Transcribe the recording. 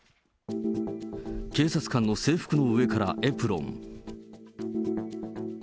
警察官の制服の上からエプロン。